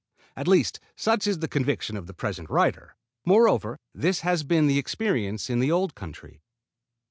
At least such is the conviction of the present writer. Moreover this has been the experience in the old country.